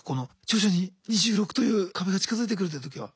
徐々に２６という壁が近づいてくるっていう時は。